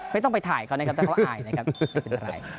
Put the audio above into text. ไม่ต้องไปถ่ายเขานะครับแต่เขาอายนะครับไม่เป็นไร